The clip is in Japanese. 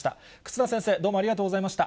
忽那先生、どうもありがとうございました。